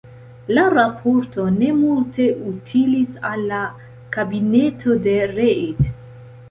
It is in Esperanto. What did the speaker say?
La raporto ne multe utilis al la kabineto de Reid.